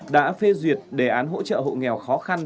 đã phê duyệt đề án hỗ trợ hộ nghèo khó khăn